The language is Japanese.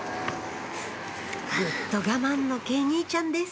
ぐっと我慢の慶兄ちゃんです